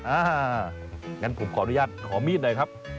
อย่างนั้นผมขออนุญาตขอมีดหน่อยครับ